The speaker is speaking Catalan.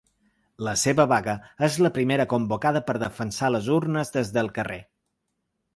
La seva vaga és la primera convocada per defensar les urnes des del carrer.